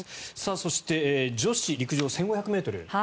そして女子陸上１５００ｍ。